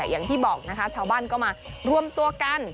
อย่างที่บอกนะคะชาวบ้านก็มารวมตัวกัน